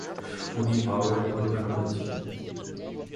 উনি বায়উর ভুডু সম্রাজ্ঞী।